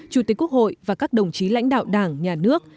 chủ tịch quốc hội và các đồng chí lãnh đạo đảng nhà nước